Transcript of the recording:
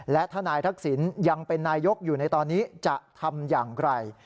และถ้านายทักษิณยังเป็นนายกอยู่ในตอนนี้จะทำอย่างไร